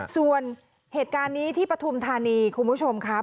ส่วนเหตุการณ์นี้ที่ปฐุมธานีคุณผู้ชมครับ